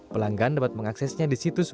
pelanggan dapat mengaksesnya di situs